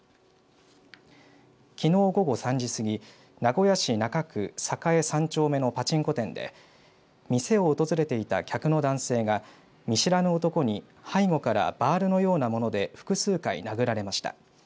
きのう午後３時過ぎ名古屋市中区栄３丁目のパチンコ店で店を訪れていた客の男性が見知らぬ男に背後からバールのようなもので複数回殴られました。